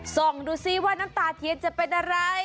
ส่องดูซิว่าน้ำตาเทียนจะเป็นอะไร